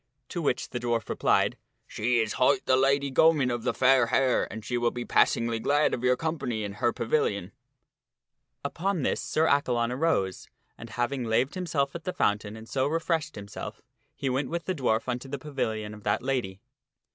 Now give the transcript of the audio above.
To which the dwarf replied, " She is hight the Lady Gomyne of the Fair Hair, and she will be passingly glad of your company in her pavilion." Upon this Sir Accalon arose, and, having laved himself at the fountain and so refreshed himself, he went with the dwarf unto the fntt?s C tt n pavil pavilion of that lady.